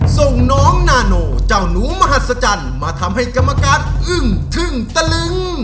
ส่งน้องนาโนเจ้าหนูมหัศจรรย์มาทำให้กรรมการอึ้งทึ่งตะลึง